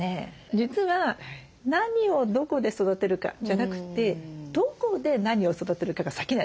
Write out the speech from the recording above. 実は「何をどこで育てるか？」じゃなくて「どこで何を育てるか？」が先なんですよ。